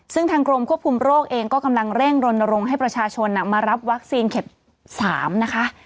ซึ่งทางกรมควบคุมโรคเองก็กำลังเร่งรณรงค์ให้ประชาชนมารับวัคซีนเข็ม๓นะคะ